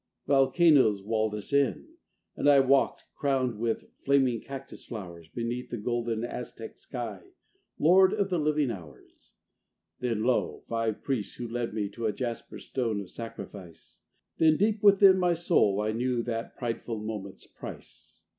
Volcanoes walled us in: and I Walked, crowned with flaming cactus flowers, Beneath the golden, Aztec sky, Lord of the living hours. When, lo! five priests, who led me to A jasper stone of sacrifice! Then deep within my soul I knew That prideful moment's price.